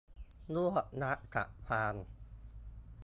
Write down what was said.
รวบรัดตัดความ